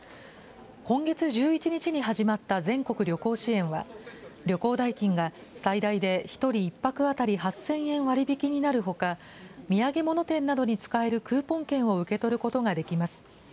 今月１１日に始まった全国旅行支援は、旅行代金が最大で１人１泊当たり８０００円割引になるほか、土産物店などに使えるクーポン券を受け取ることができます。